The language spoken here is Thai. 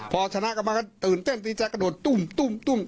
พอชนะกลับมาก็ตื่นเต้นที่จะกระโดดตุ้มตุ้ม